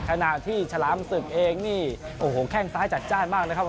ขณะที่ฉลามศึกเองนี่โอ้โหแข้งซ้ายจัดจ้านมากนะครับ